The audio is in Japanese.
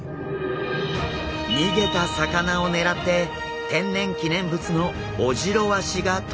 逃げた魚を狙って天然記念物のオジロワシが登場！